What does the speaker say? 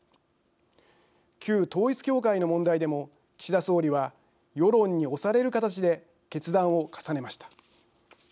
旧統一教会の問題でも岸田総理は、世論に押される形で決断を重ねました。